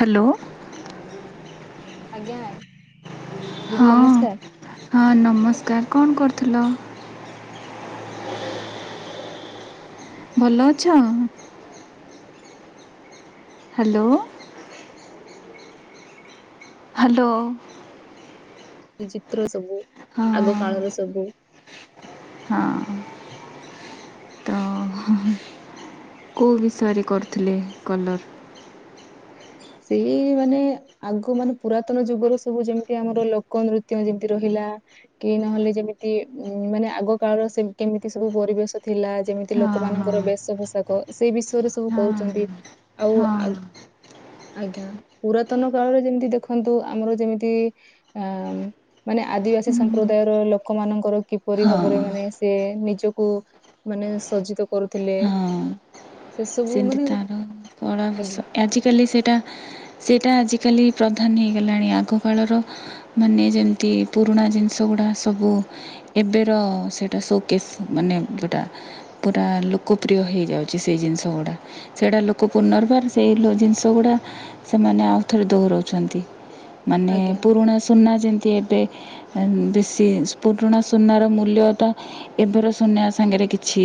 Hello. ଆଜ୍ଞା। ଦିଦି ହଁ ନମସ୍କାର ହଁ ନମସ୍କାର କଣ କରୁଥିଲ? ଭଲ ଅଛ? ହ୍ୟାଲୋ। ହ୍ୟାଲୋ। ଏ ଚିତ୍ର ସବୁ ହଁ ଆଗ କାଳର ସବୁ ହଁ, ତ କେଉଁ ବିଷୟରେ କରୁଥିଲେ କଲର୍? ସେଇ ମାନେ ଆଗ ମାନେ ପୁରାତନ ଯୁଗର ସବୁ ଯେମିତି ଆମର ଲୋକ ନୃତ୍ୟ ଯେମିତି ରହିଲା କି ନହେଲେ ଯେମିତି ଉ ମାନେ ଆଗ କାଳର କେମିତି ସବୁ ପରିବେଶ ଥିଲା। ଯେମିତି ଲୋ ହଁ ଲୋକ ମାନଙ୍କର ବେଶ ପୋଷାକ ସେଇ ବିଷୟରେ ସବୁ ହଁ କୁହୁଛନ୍ତି। ଆଉ ହଁ ଆଜ୍ଞା। ପୁରାତନ କାଳରେ ଯେମିତି ଦେଖନ୍ତୁ ଆମର ଯେମିତି ଆ ମାନେ ଆଦିବାସୀ ସମ୍ପ୍ରଦାୟର ଲୋକ ମାନଙ୍କର ହଁ କିପରି ଭାବରେ ମାନେ ହଁ ସେ ନିଜକୁ ମାନେ ସଜ୍ଜିତ କରୁଥିଲେ। ହଁ ସେ ସବୁ ସେମିତି ମାନେ ତାର କଳାଭୂଷ ଆଜ୍ଞା ଆଜିକାଲି ସେଇଟା ସେଇଟା ଆଜିକାଲି ପ୍ରଧାନ ହେଇଗଲାଣି। ଆଗକାଳର ମାନେ ଯେମିତି ପୁରୁଣା ଜିନିଷ ଗୁଡ଼ା ସବୁ ଏବେର ସେଇଟା ସୋକେସ୍ ମାନେ ଯେଉଟା ପୁରା ଲୋକପ୍ରିୟ ହେଇଯାଉଛି ସେ ଜିନିଷ [unintelligible] ସେଟା ଲୋକ ପୁନର୍ବାର ସେଇ ଜିନିଷ ଗୁଡ଼ା ସେମାନେ ଆଉଥରେ ଦୋହରଉଛନ୍ତି। ମାନେ ଆଜ୍ଞା ଆଜ୍ଞା ପୁରୁଣା ସୁନା ଯେମିତି ଏବେ ବେଶୀ ପୁରୁଣା ସୁନାର ମୂଲ୍ୟ ତ ଏବେର ସୁନା ସାଙ୍ଗରେ କିଛି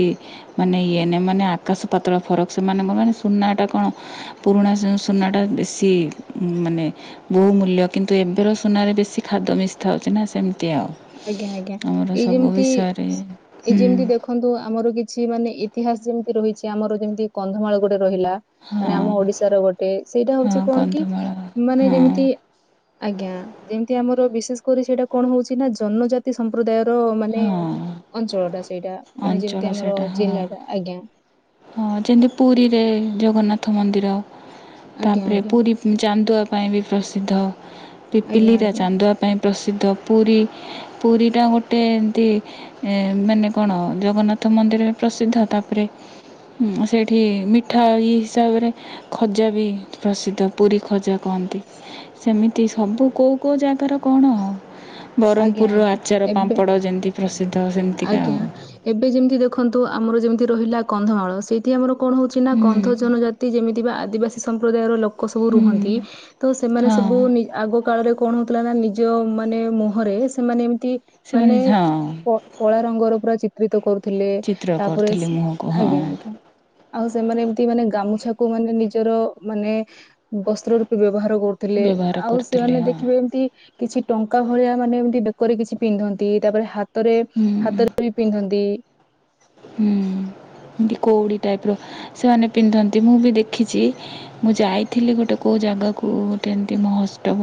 ମାନେ ଇଏ ନାହିଁ। ମାନେ ଆକାଶ ପା ପାତାଳ ଫରକ୍। ସେମାନେ [unintelligible] ସୁନା ଟା କଣ ପୁରୁଣା ସୁନା ଟା ବେଶୀ ମାନେ ବହୁ ମୂଲ୍ୟ କିନ୍ତୁ ଏବେର ସୁନାରେ ବେଶି ଖାଦ ମିଶା ହଉଛି ନା ସେମିତି ଆଉ। ଆଜ୍ଞା, ଆଜ୍ଞା। ଆମର ଏଇ ସବୁ ଯେମିତି ବିଷୟରେ ଏଇ ହୁଁ ଯେମିତି ଦେଖ ଦେଖନ୍ତୁ ଆମର କିଛି ମାନେ ଇତିହାସ ଯେମିତି ରହିଛି ଆମର ଯେମିତି କନ୍ଧମାଳ ଗୋଟେ ରହିଲା ମାନେ ହଁ ଆମ ଓଡିଶାର ଗୋଟେ ସେଇଟା ହଁ ହଉଛି କଣ କି କନ୍ଧମାଳ ମାନେ ହଁ ଯେମିତି ଆଜ୍ଞା ଯେମିତି ଆମର ବିଶେଷ କରି ସେଇଟା କଣ ହଉଛି ନା ଜନଜାତି ଜନଜାତି ସମ୍ପ୍ରଦାୟର ମାନେ ହଁ ଅଞ୍ଚଳଟା ସେଇଟା ମାନେ ଅଞ୍ଚଳ ଯେମିତି ଆମର ସେଇଟା ହଁ ଜିଲ୍ଲାଟା ଆଜ୍ଞା। ହଁ ଯେମିତି ପୁରୀରେ ଜଗନ୍ନାଥ ମନ୍ଦିର। ଆଜ୍ଞା ତାପରେ ଆଜ୍ଞା ପୁରୀ ଚାନ୍ଦୁଆ ପାଇଁ ବି ପ୍ରସିଦ୍ଧ। ଆଜ୍ଞା ପିପିଲି ଆଜ୍ଞା ରା ଚାନ୍ଦୁଆ ପାଇଁ ପ୍ରସିଦ୍ଧ। ପୁରୀ ପୁରୀଟା ଗୋଟେ ଏମତି ଏ ମାନେ କଣ ଜଗନ୍ନାଥ ମନ୍ଦିର ପ୍ରସିଦ୍ଧ ତାପରେ ସେଇଠି ମିଠା ଇଏ ହିସାବରେ ଖଜା ବି ପ୍ରସିଦ୍ଧ ପୁରୀ ଖଜା କହନ୍ତି ସେମିତି ସବୁ କେଉଁ କେଉଁ ଜାଗାର କଣ ଆଉ ଆଜ୍ଞା ବ୍ରହ୍ମପୁରର ଆଜ୍ଞା ଆଚାର ଏବେ ପାମ୍ପଡ଼ ଯେମିତି ପ୍ରସିଦ୍ଧ ସେମିତିକା ଆଜ୍ଞା ଆଉ ଏବେ ଯେମିତି ଦେଖନ୍ତୁ ଆମର ଯେମିତି ରହିଲା କନ୍ଧମାଳ ସେଇଠି ଆମର କଣ ହଉଛି ନା ହୁଁ କନ୍ଧ ଜନଜାତି ଯେମିତି ବା ଆଦିବାସୀ ସମ୍ପ୍ରଦାୟର ଲୋକ ସବୁ ହୁଁ ରୁହନ୍ତି ତ ସେମାନେ ହଁ ସବୁ ଆଗ କାଳରେ କଣ ହଉଥିଲା ନା ନିଜ ମାନେ ମୁହଁରେ ସେମାନେ ଏମିତି ସେମାନେ ମାନେ ହଁ କଳା ରଙ୍ଗର ପୁରା ଚିତ ତ୍ରିତ କରୁଥିଲେ ଚିତ୍ର ତାପରେ କରୁଥିଲି ମୁହଁକୁ ଆଜ୍ଞା ହଁ ଆଜ୍ଞା ଆଉ ସେମାନେ ଏମତି ମାନେ ଗାମୁଛାକୁ ମାନେ ନିଜର ମାନେ ବସ୍ତ୍ର ରୂପେ ବ୍ୟବହାର କରୁ ଥିଲେ ବ୍ୟବହାର ଆଉ କରୁଥିଲେ ସେମାନେ ହଁ ଦେଖିବେ ଏମିତି କିଛି ଟଙ୍କା ଭଳିଆ ମାନେ ଏମିତି ବେକରେ କିଛି ପିନ୍ଧନ୍ତି ତାପରେ ହା ହାତରେ ହୁଁ ହାତରେ ବି ପିନ୍ଧନ୍ତି ହୁଁ ଏମତି କେଉଡି ଟାଇପିର ସେମାନେ ପିନ୍ଧନ୍ତି ମୁଁ ବି ଦେଖିଛି ମୁଁ ଯାଇଥିଲି ଗୋଟେ କୋଉ ଜାଗାକୁ ଗୋଟେ ଏମିତି ମୋହତ୍ସଭ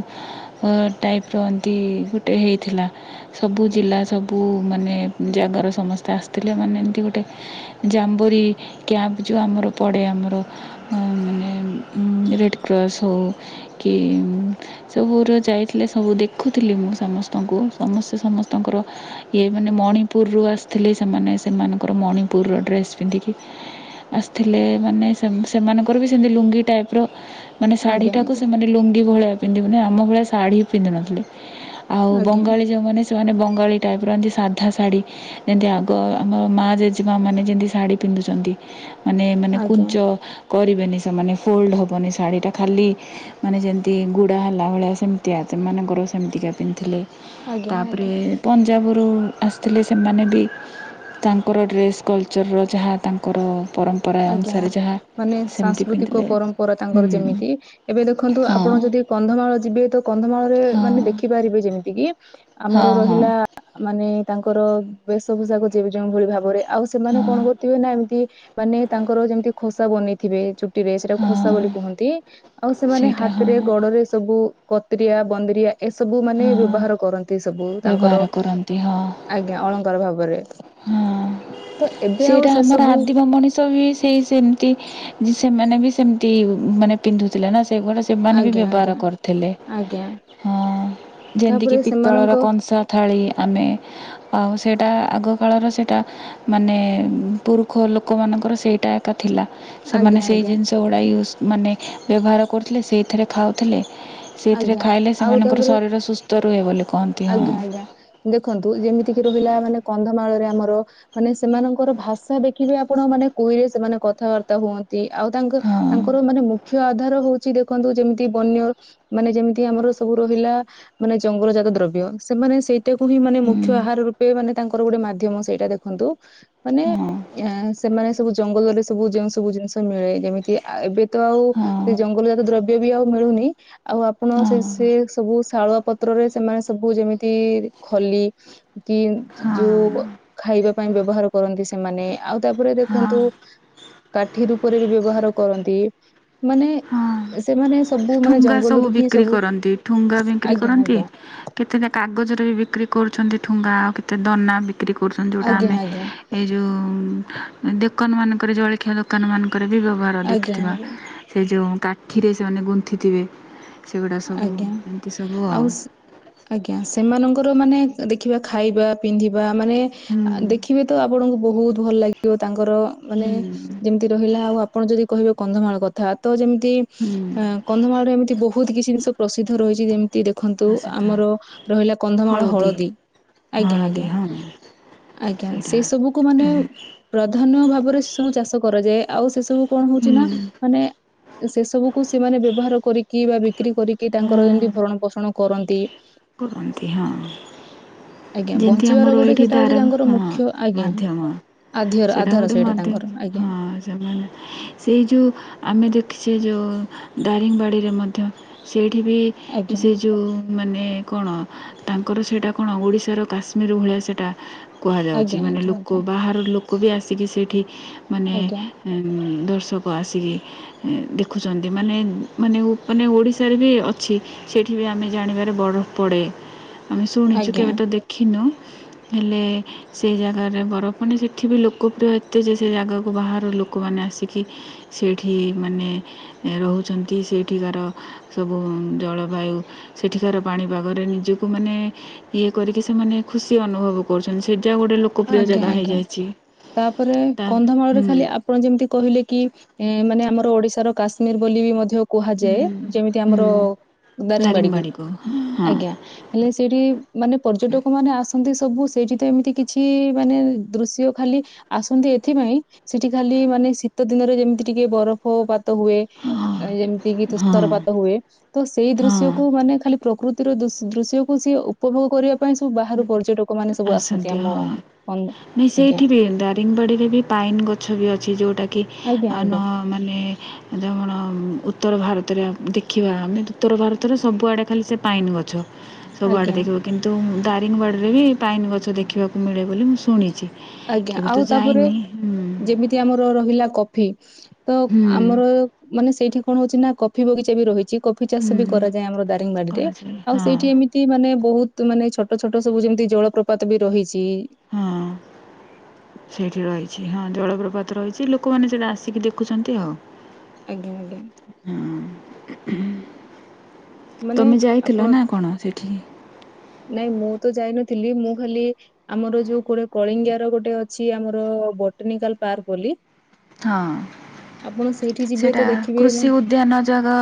ଟାଇପିର ଏନ୍ତି ଗୋଟେ ହେଇଥିଲା ସବୁ ଜିଲ୍ଲା ସବୁ ମାନେ ଜାଗାରୁ ସମସ୍ତେ ଆସିଥିଲେ ମାନେ ଗୋଟେ ଜାମ୍ୱରେ କ୍ୟାମ୍ପ ଯୋଉ ଆମର ପଡ଼େ ଆମର ମାନେ ରେଡ଼କ୍ରସ ହଉ କି ସବୁର ଯାଇଥିଲେ ସବୁ ଦେଖୁଥିଲି ମୁଁ ସମସ୍ତ ଙ୍କୁ ସମସ୍ତେ ସମସ୍ତଙ୍କର ଇଏ ମାନେ ମଣିପୁରରୁ ଆସିଥିଲେ ସେମାନେ ସେମାନ ତାଙ୍କର ମଣିପୁରର ଡ୍ରେସ୍ ପିନ୍ଧିକି ଆସିଥିଲେ ମାନେ ସେମାନଙ୍କର ବି ସେମିତି ଲୁଙ୍ଗି ଟାଇପିର ମାନେ ଆଜ୍ଞା ଶାଢ଼ୀଟାକୁ ଆଜ୍ଞା ସେମାନେ ଲୁଙ୍ଗି ଭଳିଆ ପିନ୍ଧିବୁନି ଆମ ଭଳିଆ ଶାଢୀ ପିନ୍ଧି ନଥିଲେ ଆଉ ଆଜ୍ଞା ବଙ୍ଗାଳୀ ଯେଉଁମାନେ ସେମାନେ ବଙ୍ଗାଳୀ ଟାଇପିର ସାଧା ଶାଢ଼ୀ ଯେମିତି ଆଗ ଆମ ମା ଜେଜେମା ମାନେ ଯେମିତି ଶାଢ଼ୀ ପିନ୍ଧୁଛନ୍ତି ମାନେ ମାନେ ଆଜ୍ଞା କୁଞ୍ଚ କରିବେନି ସେମାନେ ଫୋଲ୍ଡ଼ ହବନି ଶାଢ଼ୀଟା ଖାଲି ମାନେ ଯେମିତି ଗୁଡ଼ା ହେଲା ଭଳିଆ ସେମିତିଆ ସେମାନଙ୍କର ସେମିତିକା ପିନ୍ଧିଥିଲେ ଆଜ୍ଞା ଆଜ୍ଞା ତାପରେ ପଞ୍ଜାବରୁ ଆସିଥିଲେ ସେମାନେ ବି ତାଙ୍କର ଡ୍ରେସ୍ କଲଚର୍ର ଯାହା ତାଙ୍କର ପରମ୍ପରା ଆଜ୍ଞା ଅନୁସାରେ ଯାହା ମାନେ ସେମିତି ସାଂସ୍କୃତିକ ପିନ୍ଧିଲେ ପରମ୍ପରା ତାଙ୍କର ଯେମିତି ହୁଁ ଏବେ ଦେଖନ୍ତୁ ହଁ ଆପଣ ଯଦି କନ୍ଧମାଳ ଯିବେ ତ କନ୍ଧମାଳରେ ହଁ ମାନେ ଦେଖିପାରିବେ ଯେମିତି କିି ହଁ ଆମର ହଁ ରହିଲା ମାନେ ତାଙ୍କର ବେଶଭୂଷାକ ଯ ଯେଉଁ ଭଳି ଭାବରେ ଆଉ ସେମାନେ ହଁ କଣ କରୁଥିବେ ନା ଏମିତି ମାନେ ତାଙ୍କର ଯେମିତି ଖୋସା ବନେଇଥିବେ ସେଟା ଖୋସା ହଁ ବୋଲି କୁହନ୍ତି ଆଉ ସେମାନେ ସେଇଟା ହଁ ହାତରେ ଗୋଡ଼ରେ ସବୁ କତରିଆ ବନ୍ଦିରିଆ ଏସବୁ ମାନେ ହଁ ବ୍ୟବହାର କରନ୍ତି ସବୁ ତାଙ୍କର ବ୍ୟବହାର କରନ୍ତି ହଁ ଆଜ୍ଞା ଅଳଙ୍କାର ଭାବରେ ହଁ ତ ଏବେ ଆଉ ସେଇଟା ସେ ଆମର ସବୁ ଆଦିମ ମଣିଷ ବି ସେଇ ସେମତି ସେମାନେ ବି ସେମିତି ମାନେ ପିନ୍ଧୁଥିଲେ ନା ସେଗୁଡା ସେମାନେ ବି ଆଜ୍ଞା ବ୍ୟବହାର ଆଜ୍ଞା କରୁଥିଲେ ଆଜ୍ଞା ହଁ ଯେମତିକି ତାପରେ ପିତ୍ତଳର ସେମାନଙ୍କ କଂସା ଥାଳି ଆମେ ଆଉ ସେଇଟା ଆଗ କାଳର ସେଇଟା ମାନେ ପୁରୁଖ ଲୋକମାନଙ୍କର ସେଇଟା ଥିଲା ସେମାନେ ଆଜ୍ଞା ସେଇ ଆଜ୍ଞା ଜିନିଷ ସେଗୁଡ଼ା ୟୁଜ୍ ମାନେ ବ୍ୟବହାର କରୁଥିଲେ ସେଇଥିରେ ଖାଉଥିଲେ ସେଇଥିରେ ଆଜ୍ଞା ଖାଇଲେ ଆଉ ସେମାନଙ୍କର ତାପରେ ଶରୀର ସୁସ୍ଥ ରୁହେ ବୋଲି କହନ୍ତି ହଁ ଆଜ୍ଞା ଆଜ୍ଞା ଦେଖନ୍ତୁ ଯେମିତି କିି ରହିଲା ମାନେ କନ୍ଧମାଳରେ ଆମର ମାନେ, ସେମାନଙ୍କର ଭାଷା ଦେଖିବେ ଆପଣ ମାନେ କୁଏ, ସେମାନେ କଥାବାର୍ତ୍ତା ହୁଅନ୍ତି। ଆଉ ତାଙ୍କ ହଁ ତାଙ୍କର ମାନେ ମୁଖ୍ୟ ଆଧାର ହଉଛି, ଦେଖନ୍ତୁ ଯେମିତି ବନ୍ୟ ମାନେ ଯେମିତି ଆମର ସବୁ ରହିଲା, ମାନେ ଜଙ୍ଗଲ ଜାତ ଦ୍ରବ୍ୟ, ସେମାନେ ସେଇ କୁ ପୁଣି ହିଁ ମାନେ ହୁଁ ମୁଖ୍ୟ ଆହାର ରୂପେ, ମାନେ ତାଙ୍କର ଗୋଟେ ମାଧ୍ୟମ ସେଇଟା ଦେଖନ୍ତୁ। ମାନେ, ହଁ [unintelligible] ସେମାନେ ସବୁ ଜଙ୍ଗଲରେ ସବୁ ଯେଉଁ ସବୁ ଜିନିଷ ମିଳେ ଏମିତି ଆୟୁ ଏବେ ତ ଆଉ, ହଁ ସେ ଜଙ୍ଗଲ ଜାତ ଦ୍ରବ୍ୟ ବି ଆଉ ମିଳୁନି ଆଉ ଆପଣ, ସେ, ହଁ ସେ ସବୁ ଶାଳୁଆ ପତ୍ରରେ ସେମାନେ ସବୁ ଯେମିତି ଖଲି କିମ୍ ହଁ ଯୋଉ ଖାଇବା ପାଇଁ ବ୍ୟବହାର କରନ୍ତି ସେମାନେ, ଆଉ ତାପରେ ଦେଖନ୍ତୁ ହଁ କାଠି ରୂପରେ ବି ବ୍ୟବହାର କରନ୍ତି, ମାନେ ହଁ ସେମାନେ ସବୁ ମାନେ ଠୁଙ୍ଗା ସବୁ ଜଙ୍ଗଲରୁ ହିଁ ବିକ୍ରି କରନ୍ତି, ଠୁଙ୍ଗା ବିକ୍ରି ଆଜ୍ଞା କରନ୍ତି। ଆଜ୍ଞା କେତେଟା କାଗଜରେ ବି ବିକ୍ରି କରୁଛନ୍ତି ଠୁଙ୍ଗା, ଆଉ କେତେ ଦନା ବି ବିକ୍ରି କରୁଚନ୍ତି ଯୋଉଟା ଆଜ୍ଞା ଆମେ, ଆଜ୍ଞା ଏ ଯୋଉ ଅ ଦୋକାନ ମାନଙ୍କରେ ଜଳଖିଆ ଦୋକା ଦୋକାନ ମାନଙ୍କରେ ବି ବ୍ୟବହାର ଆଜ୍ଞା ଦେଖିଥିବା ଆଜ୍ଞା ସେ ଯେଉଁ କାଠିରେ ସେମାନେ ଗୁନ୍ଥିଥିବେ ସେଗୁଡ଼ା ସବୁ, ଆଜ୍ଞା ଏମିତି ସବୁ ଆଉ ଆଜ୍ଞା, ସେମାନଙ୍କର ମାନେ ଦେଖିବା ଖାଇବା, ପିନ୍ଧିବା ମାନେ, ହୁଁ ଆ ଦେଖିବେ ତ ଆପଣଙ୍କୁ ବହୁତ ଭଲ ଲାଗିଥିବ ତାଙ୍କର ମାନେ, ହୁଁ ଯେମି ରହିଲା, ଆଉ ଆପଣ ଯଦି କହିବେ କନ୍ଧମାଳ କଥା, ତ ଯେମିତି ହୁଁ ଆ କନ୍ଧମାଳରେ ଏମିତି ବହୁ ବହୁତ କିଛି ଜିନିଷ ପ୍ରସିଦ୍ଧ ରହିଛି ଯେମିତି ଦେଖନ୍ତୁ, ପ୍ରସିଦ୍ଧ ଆମର ରହିଲା କନ୍ଧମାଳ ହଳଦୀ। ଆଜ୍ଞା, ହଳଦୀ ଆଜ୍ଞା, ହଁ ଆଜ୍ଞା ସେଇଟା ସେଇ ସବୁକୁ ମାନେ ପ୍ରାଧାନ୍ୟ ଭାବରେ ସେ ସବୁ ଚାଷ କରାଯାଏ। ଆଉ ସେ ସବୁ କଣ ହଉଚି ହୁଁ ନା, ମାନେ ସେ ସବୁକୁ ସେମାନେ ବ୍ୟବହାର କରିକି ବା ବିକ୍ରି କରିକି, ତାଙ୍କର ଯେମିତି ଭରଣ ପୋଷଣ କରନ୍ତି, କୁହନ୍ତି ହଁ। ଆଜ୍ଞା ଯେମିତି ବଞ୍ଚିବାର ଆମର ଗୋଟେ ଏଇଠି ସେଟା ହଉଛି ଦାରଙ୍ଗ ତାଙ୍କର ହଁ ମୁଖ୍ୟ ଆଜ୍ଞା ମାଧ୍ୟମ। ଆଧ୍ୟର ସେଟା ଆଧାର ଗୋଟେ ସେଇଟା ମାଧ୍ୟମ ତାଙ୍କର ଆଜ୍ଞା ହଁ ସେମାନେ ସେଇ ଯେଉ, ଆମେ ଦେଖିଛେ ଯେଉ, ଦାରିଙ୍ଗବାଡ଼ିରେ ମଧ୍ୟ ସେଇଠି ବି ଆଜ୍ଞା ସେ ଯୋଉ ମାନେ କଣ, ତାଙ୍କର ସେଟା କଣ ଓଡ଼ିଶା ଓଡ଼ିଶା ର କାଶ୍ମୀର ଭଳିଆ ସେଇଟା କୁହାଯାଉଛି। ଆଜ୍ଞା ମାନେ ଆଜ୍ଞା ଲୋକ, ବାହାର ଲୋକ କୁ ବି ଆସିକି ସେଇଠି, ମାନେ ଆଜ୍ଞା ଆଜ୍ଞା ଏ ଦର୍ଶକ ଆସିକି ଦେଖୁଛନ୍ତି। ମାନେ, ମାନେ, ମାନେ ଓଡ଼ିଶାରେ ବି ଅଛି। ସେଠି ବି ଆମେ ଜାଣିବାରେ ବରଫ ପଡ଼େ, ଆମେ ଶୁଣିଛୁ ଆଜ୍ଞା କେବେ ତ ଦେଖିନୁ, ହେଲେ ସେ ଜାଗାରେ ବରଫ, ମାନେ ସେଠି ବି ଲୋକପ୍ରିୟ ଏତେ ଯେ, ସେ ଜାଗାକୁ ବାହାରର ଲୋକମାନେ ଆସିକି ସେଇଠି ମାନେ ରହୁଚନ୍ତି, ସେଠିକାର ସବୁ ଜଳବାୟୁ ସେଠିକାର ପାଣିପାଗରେ ନିଜକୁ ମାନେ ଇୟ କରିକି ସେମାନେ ଖୁସି ଅନୁଭବ କହୁଚନ୍ତି, ସେଇଟା ଗୋଟେ ଲୋକପ୍ରିୟ ଆଜ୍ଞା ଜାଗା ଆଜ୍ଞା ହେଇଯାଇଛି, ତାପରେ ଟା କନ୍ଧମାଳରେ ଖାଲି ଆପଣ ଯେମିତି କହିଲେ କି, ଏ ମାନେ ଆମର ଓଡ଼ିଶାର କାଶ୍ମୀର ବୋଲି ବି ମଧ୍ୟ କୁହାଯାଏ। ହୁଁ ଯେମିତି ହୁଁ ଆମର ଦାରିଙ୍ଗବାଡିକୁ, ଦାରିଙ୍ଗବାଡ଼ିକୁ ହଁ ଆଜ୍ଞା। ହେଲେ ସେଇଠି, ମାନେ ପର୍ଯ୍ୟଟକ ମାନେ ଆସନ୍ତି ସବୁ ସେଇଠି ତ ଏମିତି କି କିଛି ମାନେ ଦୃଶ୍ୟ ଖାଲି ଆସନ୍ତି ଏଥିପାଇଁ ସେଠି ଖାଲି ମାନେ, ଶୀତ ଦିନରେ ଯେମିତି ଟିକେ ବରଫପାତ ହୁଏ। ହଁ ଆ ଯେମିତି କି, ହଁ ତୁଷାରପାତ ହୁଏ। ତ ସେଇ ହଁ ଦୃଶ୍ୟକୁ ମାନେ ଖାଲି ପ୍ରକୃତିର ଦୃ--ଦୃଶ୍ୟକୁ ସିଏ ଉପଭୋଗ କରିବା ପାଇଁ ସବୁ ବାହାରୁ ପର୍ଯ୍ୟଟକ ମାନେ ସବୁ ଆସନ୍ତି। ଇଠି ଆମ ହଁ ଅନ୍ ନାଇଁ ଆଜ୍ଞା ସେଇଠି ବି ଏ ଦାରିଙ୍ଗିବାଡ଼ି ରେ ବି ପାଇନ ଗଛ ବି ଅଛି ଯୋଉଟା କି ଆଜ୍ଞା ଆ ଆଜ୍ଞା ନ ମାନେ ଯେମଣ ଉତ୍ତର ଭାରତରେ ଆମେ ଦେଖିବା ଆମେ ଉତ୍ତର ଭାରତରେ ସବୁଆଡ଼େ ଖାଲି ସେ ପାଇନ ଗଛ। ସବୁଆଡ଼େ ଆଜ୍ଞା ଦେଖିବୁ କିନ୍ତୁ ଦାରିଙ୍ଗିବାଡ଼ି ରେ ବି ପାଇନ ଗଛ ଦେଖିବାକୁ ମିଳେ ବୋଲି ମୁଁ ଶୁଣିଛି। କେବେ ତ ଯାଇନି ହୁଁ। ଯେ ଆମର ରହିଲା କଫି ତ ହୁଁ ଆ ଆମର ମାନେ ସେଇଠି କଣ ହଉଛି ନା କଫି ବଗିଚା ବି ରହିଛି। କଫି ଚାଷ ହୁଁ ବି କରାଯାଏ ଆମର ଦାରିଙ୍ଗିବାଡ଼ି ରେ କରାଯାଏ ଆଉ ହଁ ସେଇଠି ଏମି ତି ମାନେ ବହୁତ ମାନେ ଛୋଟ ଛୋଟ ସବୁ ଯେମିତି ଜଳପ୍ରପାତ ବି ରହିଛି। ହଁ ସେଇଠି ରହିଛି ହଁ ଜଳପ୍ରପାତ ରହିଛି ଲୋକମାନେ ସେଇଟା ଆସିକି ଦେଖୁଛନ୍ତି ଆଉ। ଆଜ୍ଞା ଆଜ୍ଞା। ହଁ ହୁଁ ମାନେ ତମେ ଆପଣ ଯାଇଥିଲ ନା କଣ ସେଠିକି? ନାଇଁ ମୁଁ ତ ଯାଇନଥିଲି ମୁଁ ଖାଲି ଆମର ଯୋଉ କୋର କଳିଙ୍ଗିଆର ଗୋଟେ ଅଛି ଆମର ବଟନିକାଲ୍ ପାର୍କ ବୋଲି ହଁ ଆପଣ ସେଇଠି ଯିବେ ସେଇଟା ତ ଦେଖିବେ କୃଷି ମାନେ ଉଦ୍ୟାନ ଜାଗା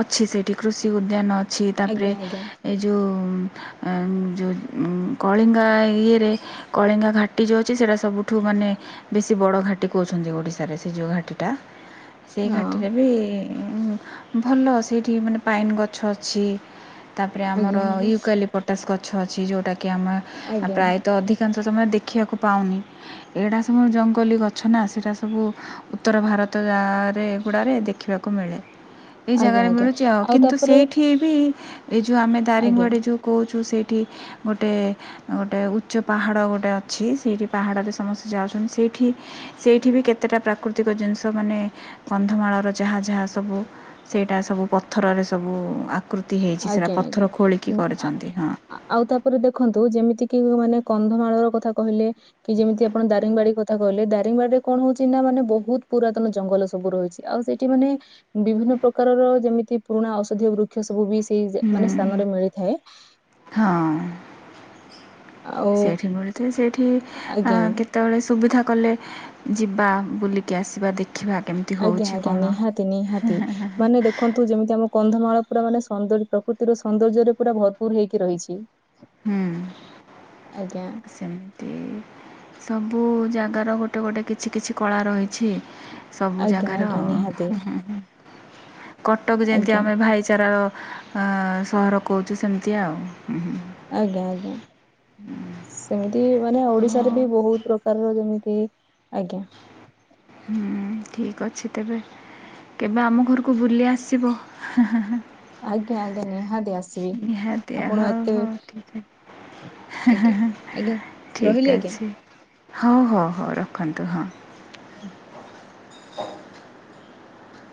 ଅଛି ସେଇଠି କୃଷି ଉଦ୍ୟାନ ଅଛି ତାପରେ ଆଜ୍ଞା ଆଜ୍ଞା ଏ ଯୋଉ ଆ ଯୋଉ ଉଁ କଳିଙ୍ଗା ଇଏରେ କଳିଙ୍ଗା ଘାଟି ଯୋଉ ଅଛି ସେଇଟା ସବୁଠୁ ମାନେ ବେଶୀ ବଡ ଘାଟି କହୁଛନ୍ତି ଓଡି ଶାରେ ସେ ଯୋଉ ଘାଟିଟା ସେଇ ହଁ ଘାଟିରେ ବି ଉଁ ଭଲ ସେଇଠି ମାନେ ପାଇନ୍ ଗଛ ଅଛି। ତାପରେ ଆମର ଆଜ୍ଞା ଆଜ୍ଞା ୟୁକାଲିପଟାସ୍ ଗଛ ଅଛି ଯୋଉଟା କି ଆମେ ଆଜ୍ଞା ପ୍ରାୟତଃ ଅଧି କାଂଶ ସମୟ ଦେଖିବାକୁ ପାଉନି ଏଇଟା ସବୁ ଜଙ୍ଗଲି ଗଛ ନା ସେଟା ସବୁ ଉତ୍ତର ଭାରତ ଜାଗାରେ ଏଗୁଡ଼ାରେ ଦେଖିବାକୁ ମିଳେ। ଏଇ ଆଜ୍ଞା ଜାଗାରେ ଆଜ୍ଞା ମିଳୁଛି ଆଉ କିନ୍ତୁ ତାପରେ ସେଇଠି ବି ଏ ଯୋଉ ଆମେ ଆଜ୍ଞା ଦାରିଙ୍ଗିବାଡ଼ି ଯୋଉ କହୁଛୁ ସେଇଠି ଗୋଟେ ଗୋଟେ ଉଚ୍ଚ ପାହାଡ଼ ଗୋଟେ ଅଛି ସେଇଠି ପାହାଡ଼ରେ ସମସ୍ତେ ଯାଉଛନ୍ତି ସେଇଠି ସେଇଠି ବି କେତେଟା ପ୍ରାକୃତିକ ଜିନିଷ ମାନେ କନ୍ଧମାଳର ଯାହା ଯାହା ସବୁ ସେଇଟା ସବୁ ପଥରରେ ସବୁ ଆକୃତି ହେଇଛି ସେଟା ପଥର ଖୋଳିକି କରିଛନ୍ତି ହଁ। ଆଁ ଆଉ ତାପରେ ଦେଖନ୍ତୁ ଯେମିତି କିି ତୁମେ ମାନେ କନ୍ଧମାଳର କଥା କହିଲେ କି ଯେମିତି ଆପଣ ଦାରିଙ୍ଗିବାଡ଼ି କଥା କହିଲେ ଦାରିଙ୍ଗିବାଡ଼ି ରେ କଣ ହଉଛି ନା ମାନେ ବହୁତ ପୁରାତନ ଜଙ୍ଗଲ ସବୁ ରହିଛି। ଆଉ ସେଇଠି ମାନେ ବିଭିନ୍ନ ପ୍ରକାରର ଯେମିତି ପୁରୁଣା ଔଷଧୀୟ ବୃକ୍ଷ ସବୁ ବି ସେ ସେଇ ଜା ହୁଁ ମାନେ ସ୍ଥାନରେ ମିଳିଥାଏ। ହଁ ଆଉ ସେଇଠି ମିଳିଥାଏ ସେଇଠି ଆଁ ଆଜ୍ଞା କେ ତେବେଳେ ସୁବିଧା କଲେ ଯିବା ବୁଲିକି ଆସିବା ଦେଖିବା କେମ ଆଜ୍ଞା ଆଜ୍ଞା ନିହାତି ନିହାତି ମାନେ ଦେଖନ ନ୍ତୁ ଯେମିତି ଆମ କନ୍ଧମାଳ ପୁରା ମାନେ ସୁନ୍ଦର ପ୍ରକୃତିର ସୌନ୍ଦର୍ଯ୍ୟରେ ପୁରା ଭରପୁର ହେଇକି ରହିଛି। ହୁଁ। ଆଜ୍ଞା। ସେମିତି ସବୁ ଜାଗାର ଗୋଟେ ଗୋଟେ କିଛି କିଛି କଳା ରହିଛି। ସବୁ ଆଜ୍ଞା ଜାଗାର ଆଜ୍ଞା ଉଁ ନିହାତି ହୁଁ ହୁଁ ହୁଁ। କଟକ ଯେମିତି ଆଜ୍ଞା ଆମେ ଭାଇଚାରାର ଅଁ ସହର କହୁଛୁ ସେମିତି ଆଉ ହୁଁ ହୁଁ। ଆଜ୍ଞା ଆଜ୍ଞା। ସେମିତି ମାନେ ଓଡିଶାରେ ହଁ। ବି ବହୁତ ପ୍ରକାରର ଯେମିତି ଆଜ୍ଞା। ହୁଁ ଠିକ୍ ଅଛି ତେବେ କେବେ ଆମ ଘରକୁ ବୁଲି ଆସିବ ହେଁ ହେଁ ହେଁ। ଆଜ୍ଞା ଆଜ୍ଞା ନିହା ନିହାତି ହଉ ହଉ ଠିକ୍ ଅଛି। ହେଁ ହେଁ ଆଜ୍ଞା ହେଁ ଆଜ୍ଞା ରହିଲି ଠିକ୍ ଆଜ୍ଞା। ଅଛି। ହଉ ହଉ ହଉ ରଖନ୍ତୁ ହଁ।